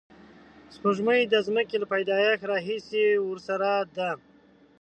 سپوږمۍ د ځمکې له پیدایښت راهیسې ورسره ده